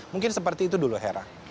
mungkin seperti itu dulu hera